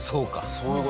そういう事。